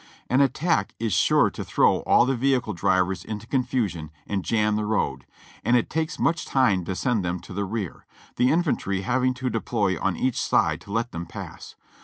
An attack is sure to throw all the vehicle drivers into confusion and jam the road, and it takes much time to send them to the rear, the infantry having to deploy on each side to let them pass.